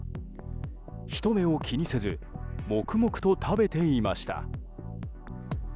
人目を気にせず黙々と食べていました。